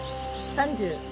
３０。